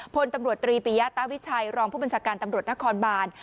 พลตำรวจตรีปียะตาวิชัยรองผู้บัญชาการตำรวจนครบาน